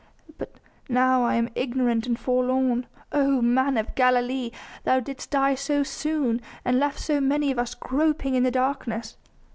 But now I am ignorant and forlorn.... Oh, Man of Galilee! Thou didst die so soon ... and left so many of us groping in the darkness....